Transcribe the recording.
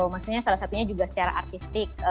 maksudnya salah satunya juga secara artistik